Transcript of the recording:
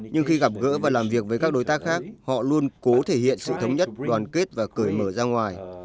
nhưng khi gặp gỡ và làm việc với các đối tác khác họ luôn cố thể hiện sự thống nhất đoàn kết và cởi mở ra ngoài